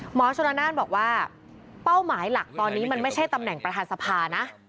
ชนนานบอกว่าเป้าหมายหลักตอนนี้มันไม่ใช่ตำแหน่งประธานสภานะ